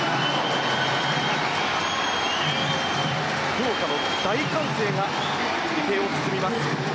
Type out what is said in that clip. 福岡の大歓声が池江を包みます。